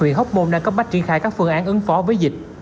huyện hóc môn đang cấp bách triển khai các phương án ứng phó với dịch